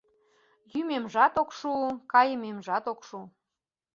Йӱмемжат ок шу, каймемжат ок шу.